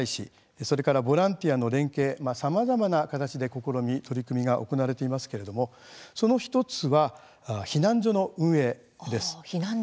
それからボランティアの連携さまざまな形で試み、取り組みが行われていますけれどもその１つは、避難所の運営です。